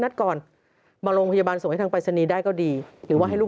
ก่อนมาโรงพยาบาลส่งให้ทางปรายศนีย์ได้ก็ดีหรือว่าให้ลูก